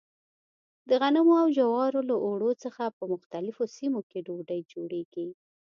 د غنمو او جوارو له اوړو څخه په مختلفو سیمو کې ډوډۍ جوړېږي.